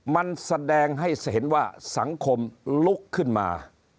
มันแสดงให้เห็นว่าสังคมลุกขึ้นมา